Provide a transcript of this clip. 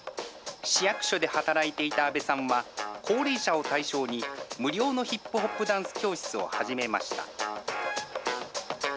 市役所で働いていた阿部さんは、高齢者を対象に無料のヒップホップダンス教室を始めました。